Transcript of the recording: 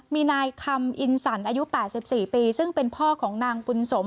มีนายคำอินสันอายุ๘๔ปีซึ่งเป็นพ่อของนางบุญสม